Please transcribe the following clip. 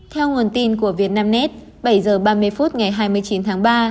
theo nguồn tin của vietnamnet bảy h ba mươi phút ngày hai mươi chín tháng ba